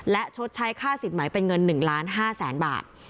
และชดใช้ค่าสินหมายเป็นเงิน๑๕๐๐๐๐๐บาท